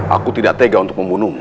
aku tidak tega untuk membunuhmu